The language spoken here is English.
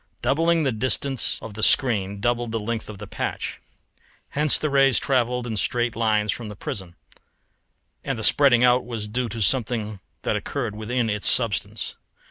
Doubling the distance of the screen doubled the length of the patch. Hence the rays travelled in straight lines from the prism, and the spreading out was due to something that occurred within its substance.